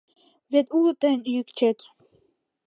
Вет уло тыйын Ӱэкчет